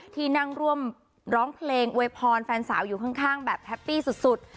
ที่นั่งร่วมร้องเพลงอวยพรแฟนสาวอยู่ข้างแบบแฮปปี้สุด